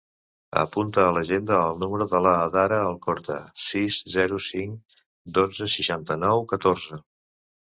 Apunta a l'agenda el número de l'Adhara Alcorta: sis, zero, cinc, dotze, seixanta-nou, catorze.